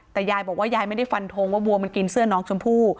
แต่ยายบอกว่ายายไม่ได้ฟันทงว่าวัวมันกินเสื้อน้องชมพู่